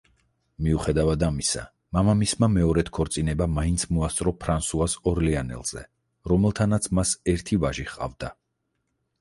მიუხედავად ამისა, მამამისმა მეორედ ქორწინება მაინც მოასწრო ფრანსუაზ ორლეანელზე, რომელთანაც მას ერთი ვაჟი ჰყავდა.